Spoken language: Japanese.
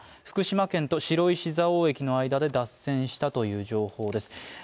福島県と白石蔵王駅の間で脱線したという情報です。